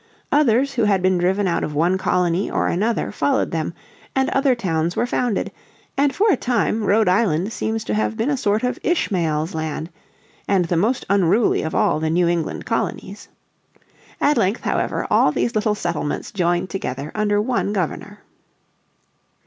Others who had been driven out of one colony or another followed them, and other towns were founded; and for a time Rhode Island seems to have been a sort of Ishmael's land, and the most unruly of all the New England colonies. At length however all these little settlements joined together under one Governor.